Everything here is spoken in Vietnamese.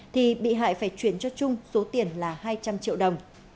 thì bị hại phải chuyển cho trung số tiền là hai trăm linh triệu đồng